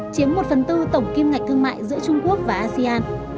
chiếm một phần tư tổng kim ngạch thương mại giữa trung quốc và asean